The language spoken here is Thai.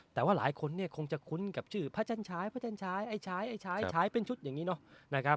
แต่ว่าหลายคนคงจะคุ้นกับชื่อพะจันให้ชัยไอ้ชายเป็นชุดแบบนี้